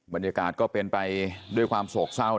บรรยากาศก็เป็นไปด้วยความโศกเศร้า